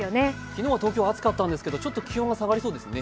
昨日は東京暑かったんですけど、ちょっと気温が下がりそうですね。